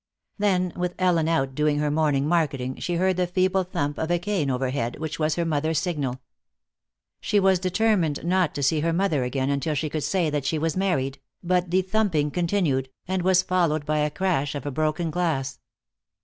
Then, with Ellen out doing her morning marketing, she heard the feeble thump of a cane overhead which was her mother's signal. She was determined not to see her mother again until she could say that she was married, but the thumping continued, and was followed by the crash of a broken glass.